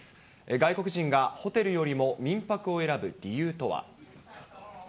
外国人がホテルよりも民泊を選ぶ理由とは。